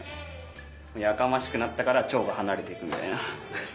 やかましくなったからチョウがはなれていくみたいな。